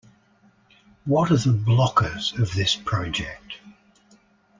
What are the blockers of this project?